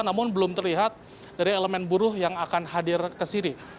namun belum terlihat dari elemen buruh yang akan hadir ke sini